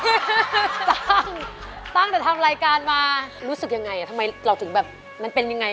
จ้างตั้งแต่ทำรายการมารู้สึกยังไงทำไมเราถึงแบบมันเป็นยังไง